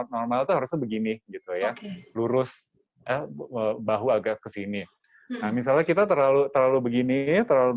normalnya harus begini lurus bahu agak ke sini misalnya kita terlalu terlalu begini terlalu